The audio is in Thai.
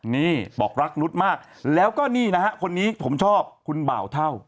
นี่บอกรักนุษย์มากแล้วก็นี่นะฮะคนนี้ผมชอบคุณบ่าวเท่า